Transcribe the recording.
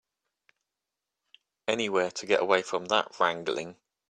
Anywhere to get away from that wrangling.